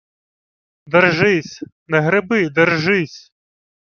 — Держись!.. Не греби — держись!..